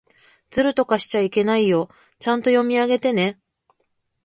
ずるとかしちゃいけないよ。ちゃんと読み上げてね。